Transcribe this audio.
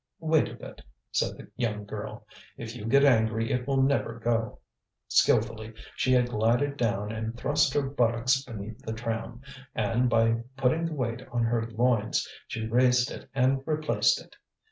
"Wait a bit," said the young girl. "If you get angry it will never go." Skilfully she had glided down and thrust her buttocks beneath the tram, and by putting the weight on her loins she raised it and replaced it.